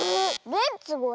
「レッツゴー！